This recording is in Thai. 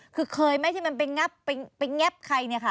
คือเคยไหมที่มันไปงับไปแงบใครเนี่ยค่ะ